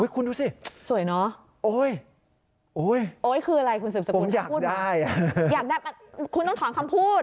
คุณดูสิโอ๊ยโอ๊ยผมอยากได้คุณต้องถอนคำพูด